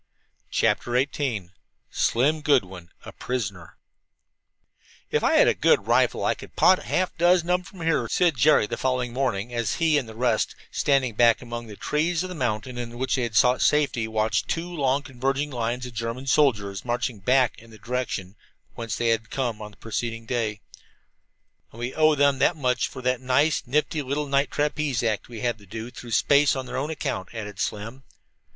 CHAPTER XVIII SLIM GOODWIN A PRISONER "If I had a good rifle I could 'pot' half a dozen of them from here," said Jerry the following morning as he and the rest, standing back among the trees of the mountain in which they had sought safety, watched two long, converging lines of German soldiers marching back in the direction whence they had come on the preceding day. "And we owe them that much for that nice, nifty little night trapeze act we had to do through space on their account," added Slim.